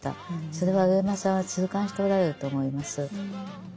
それは上間さんは痛感しておられると思います。